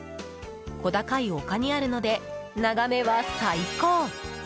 小高い丘にあるので眺めは最高！